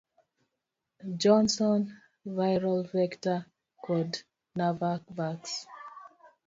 Johnson, Viral vector, kod Navavax.